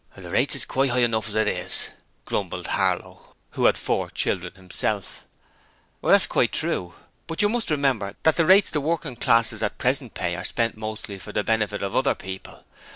'The rates is quite high enough as it is,' grumbled Harlow, who had four children himself. 'That's quite true, but you must remember that the rates the working classes at present pay are spent mostly for the benefit of other people.